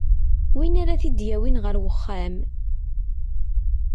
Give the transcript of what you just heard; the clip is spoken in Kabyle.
Win ara t-id-yawin ɣer uxxam.